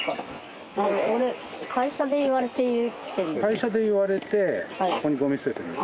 会社で言われてここにゴミ捨ててるの？